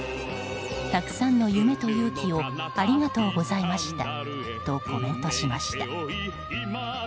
たくさんの勇気をありがとうございましたとコメントしました。